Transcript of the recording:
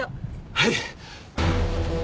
はい！